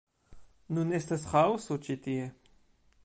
Nun estas ĥaoso ĉi tie